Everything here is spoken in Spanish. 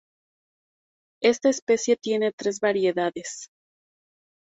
Esta especie tiene tres variedades.